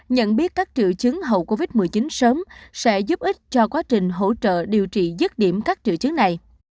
nhận biết các triệu chứng hậu covid một mươi chín sớm sẽ giúp ích cho quá trình hỗ trợ điều trị dứt điểm các triệu chứng này